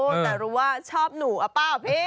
แต่รู้ว่าชอบหนูอะเปล่าพี่